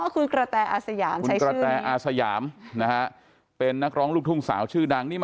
คุณกระแตอาสยามใช่ไหมกระแตอาสยามนะฮะเป็นนักร้องลูกทุ่งสาวชื่อดังนี่มา